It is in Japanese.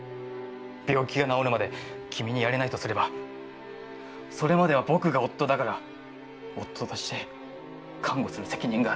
病気が治るまで君に遣れないとすれば、それまでは僕が夫だから、夫として看護する責任がある。